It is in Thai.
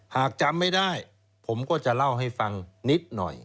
หากจำไม่ได้ผมก็จะเล่าให้ฟังนิดหน่อย